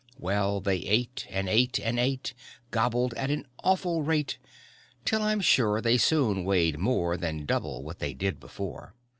Well, they ate and ate and ate, Gobbled at an awful rate Till I'm sure they soon weighed more Than double what they did before.